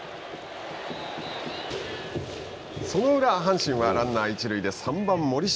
その裏阪神はランナー一塁で３番森下。